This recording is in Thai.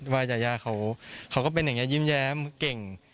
ว่ายายาเขาก็เป็นอย่างนี้ยิ้มแย้มเก่ง